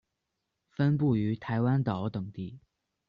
分布于台湾岛等地。